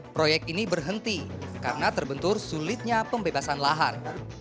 proyek ini berhenti karena terbentur sulitnya pembebasan lahan